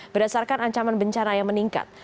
berdasarkan ancaman bencana yang meningkat